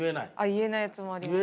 言えないやつもありますね。